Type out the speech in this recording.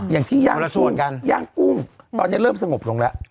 อย่างพี่นย่างกุ้งตอนนี้เริ่มสงบลงแล้ว